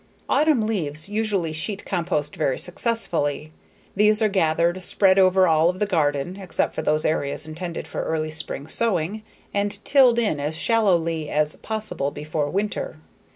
Autumn leaves usually sheet compost very successfully. These are gathered, spread over all of the garden (except for those areas intended for early spring sowing), and tilled in as shallowly as possible before winter.